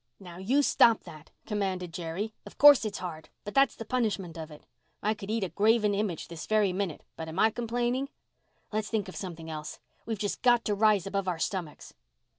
"Now, you stop that," commanded Jerry. "Of course it's hard—but that's the punishment of it. I could eat a graven image this very minute, but am I complaining? Let's think of something else. We've just got to rise above our stomachs."